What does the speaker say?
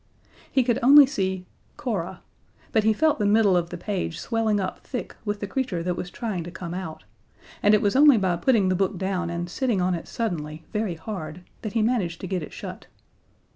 He could only see "cora," but he felt the middle of the page swelling up thick with the creature that was trying to come out, and it was only by putting the book down and sitting on it suddenly, very hard, that he managed to get it shut.